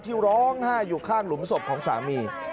ที่ร้องไห้อยู่ข้างหลุมศพของสามี